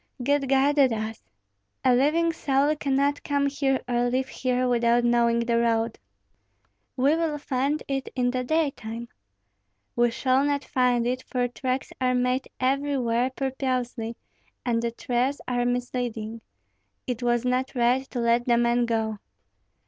"God guided us. A living soul cannot come here or leave here without knowing the road." "We will find it in the daytime." "We shall not find it, for tracks are made everywhere purposely, and the trails are misleading. It was not right to let the man go."